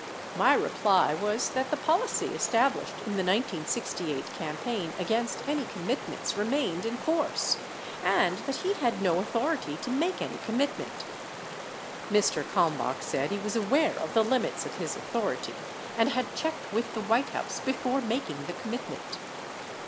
My reply was that the policy established in the 1968 campaign against any commitments remained in force, and that he had no authority to make any commitment. Mr. Kalmbach said he was aware of the limits of his au thority and had checked with the White House before mak ing the commitment.